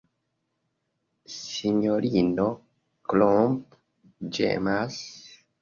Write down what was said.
Sinjorino Klomp ĝemas.